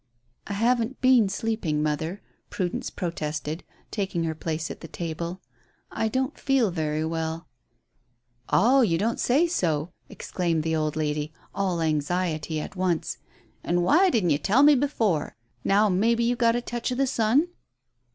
"I haven't been sleeping, mother," Prudence protested, taking her place at the table. "I don't feel very well." "Ah, you don't say so," exclaimed the old lady, all anxiety at once. "An' why didn't you tell me before? Now maybe you've got a touch o' the sun?"